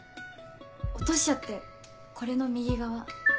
落としちゃってこれの右側。